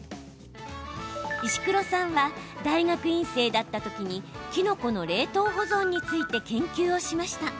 石黒さんは大学院生だった時にキノコの冷凍保存について研究をしました。